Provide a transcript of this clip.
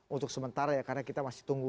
untuk sementara ya karena kita masih tunggu